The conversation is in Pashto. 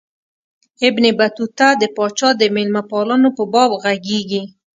ابن بطوطه د پاچا د مېلمه پالنو په باب ږغیږي.